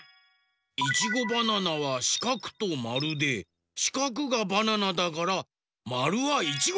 いちごバナナはしかくとまるでしかくがバナナだからまるはいちご！